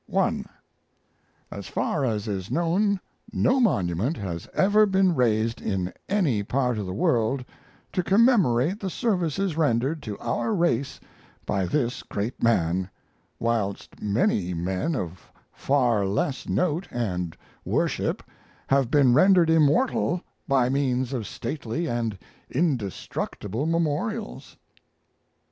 1. As far as is known no monument has ever been raised in any part of the world to commemorate the services rendered to our race by this great man, whilst many men of far less note and worship have been rendered immortal by means of stately and indestructible memorials.